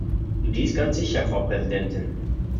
Und dies ganz sicher, Frau Präsidentin!